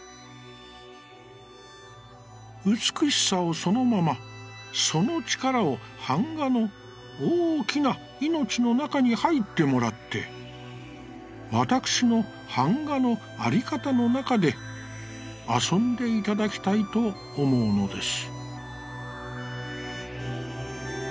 「美しさをそのままその力を板画の大きな命の中に入ってもらってわたくしの板画のあり方の中で遊んでいただきたいと思うのです」。